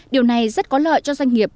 điều này rất có lợi cho doanh nghiệp